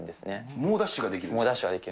猛ダッシュができる。